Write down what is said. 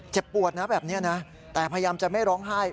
เจ็บปวดแบบนี้แต่พยายามจะไม่ร้องไห้